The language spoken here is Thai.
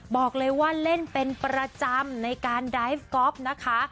บอกเลยว่าเล่นเป็นประจำในการไดฟก๊อฟนะคะ